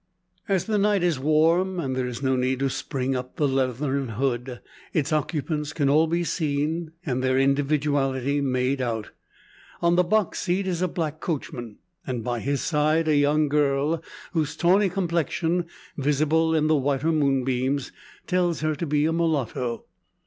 As the night is warm, and there is no need to spring up the leathern hood its occupants can all be seen, and their individuality made out. On the box seat is a black coachman; and by his side a young girl whose tawny complexion, visible in the whiter moonbeams, tells her to be a mulatto.